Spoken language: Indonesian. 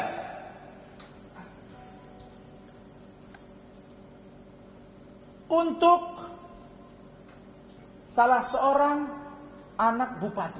hai untuk hai salah seorang anak bupati